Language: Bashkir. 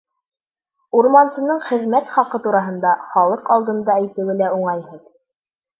Урмансының хеҙмәт хаҡы тураһында халыҡ алдында әйтеүе лә уңайһыҙ.